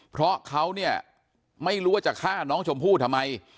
เพราะเขาเนี่ยไม่รู้ว่าจะฆ่าน้องชมพู่ทำไม